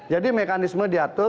jadi mekanisme diatur